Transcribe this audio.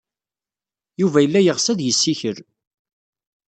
Yuba yella yeɣs ad yessikel.